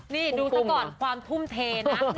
นี่ดูซะก่อนความทุ่มเทนะ